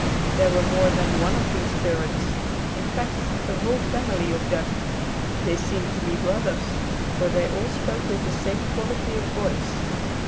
There were more than one of these spirits; in fact, a whole family of them. They seemed to be brothers, for they all spoke with the same quality of voice.